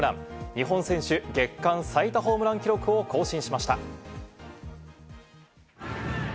日本選手月間最多ホームラン記録を更新しました。